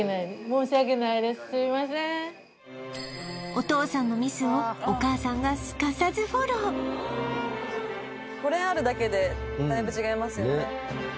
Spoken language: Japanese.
お父さんのミスをお母さんがすかさずフォローこれあるだけでだいぶ違いますよね